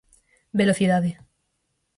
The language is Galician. Velocidade.